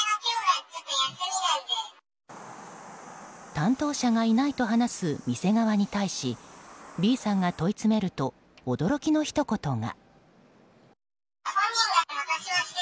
担当者がいないと話す店側に対しＢさんが問い詰めると驚きのひと言が。